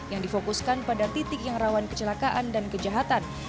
yang difokuskan pada titik yang rawan kecelakaan dan kejahatan